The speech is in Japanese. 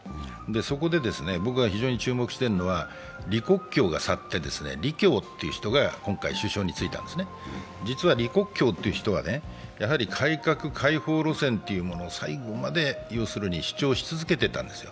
そこで、僕が非常に注目しているのは、李克強が去って李強という人が今回首相に就いたんですね、実は李克強という人は改革開放路線を最後まで主張し続けていたんですよ。